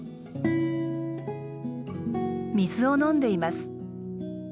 水を飲んでいます。